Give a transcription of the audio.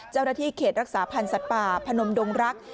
เจ้าหน้าที่เขตรักษาพันธ์สัตว์ป่าพนมดงรัก